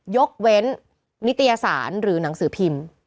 ยกเว้นนิตยสารหรือหนังสือพิมพ์